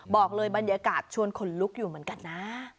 บอกเลยบรรยากาศชวนขนลุกอยู่เหมือนกันนะ